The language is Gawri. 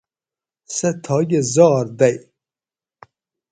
سہ تھاکہ زاۤر دئی